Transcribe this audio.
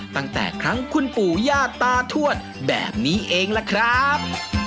ตั้งแต่ครั้งคุณปู่ย่าตาทวดแบบนี้เองล่ะครับ